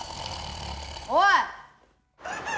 おい！